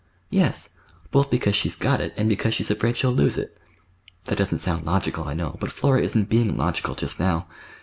"Yes both because she's got it, and because she's afraid she'll lose it. That doesn't sound logical, I know, but Flora isn't being logical just now.